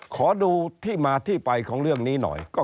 ขอดูที่มาที่ไปของเรื่องนี้หน่อย